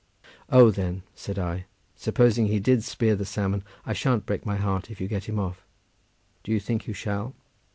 "O, then," said I, "supposing he did spear the salmon, I shan't break my heart if you get him off; do you think you shall?"